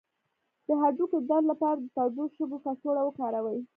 د هډوکو د درد لپاره د تودو شګو کڅوړه وکاروئ